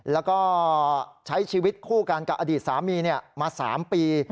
แล้วก็ใช้ชีวิตคู่กันกับอดีตสามีมา๓ปี